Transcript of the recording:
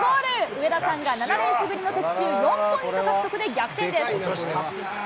上田さんが７レースぶりの的中、４ポイント獲得で逆転です。